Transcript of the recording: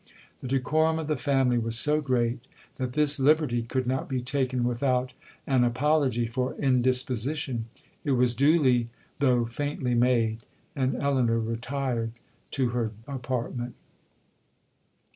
The decorum of the family was so great, that this liberty could not be taken without an apology for indisposition;—it was duly though faintly made, and Elinor retired to her apartment.